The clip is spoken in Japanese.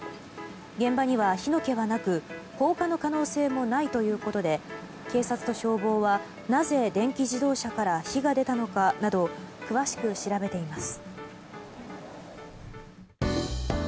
現場には火の気はなく放火の可能性もないということで警察と消防は、なぜ電気自動車から火が出たのかなど詳しく調べています。